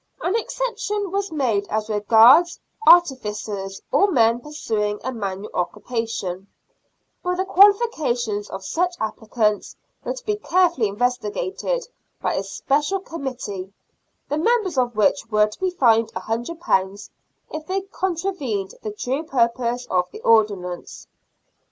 An exception was made as regards artificers or men pursuing a manual occupation, but the qualifications of such applicants were to be carefully investigated by a special committee, the members of which were to be fined £100 if they contra vened the true purpose of the ordinance.